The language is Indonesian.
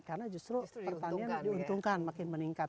karena justru pertanian diuntungkan makin meningkat